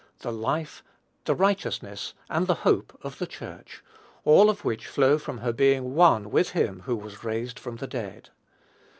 the life, the righteousness, and the hope of the Church, all of which flow from her being one with him who was raised from the dead.